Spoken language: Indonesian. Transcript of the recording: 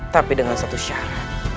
tapi dengan satu syarat